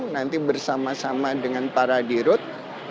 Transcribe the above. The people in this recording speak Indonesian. nanti bersama sama dengan para dirut